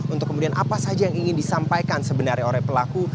untuk kemudian apa saja yang ingin disampaikan sebenarnya oleh pelaku